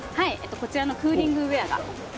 こちらのクーリングウエアがお勧めです。